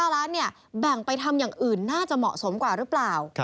๕ล้านเนี่ยแบ่งไปทำอย่างอื่นน่าจะเหมาะสมกว่าหรือเปล่า